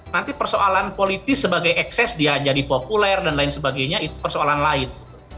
nanti persoalan politis sebagai ekses dia jadi populer dan lain sebagainya itu persoalan lain